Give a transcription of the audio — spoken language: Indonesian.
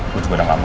buat gue udah lama